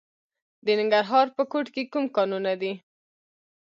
د ننګرهار په کوټ کې کوم کانونه دي؟